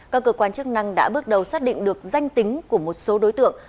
các cơ quan chức năng đã bước đầu xác định được danh tính của một số đối tượng